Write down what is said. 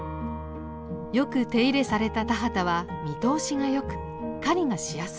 よく手入れされた田畑は見通しがよく狩りがしやすいのです。